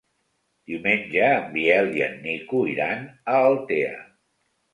Diumenge en Biel i en Nico iran a Altea.